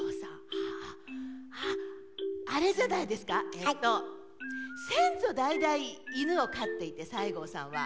えと先祖代々犬を飼っていて西郷さんは。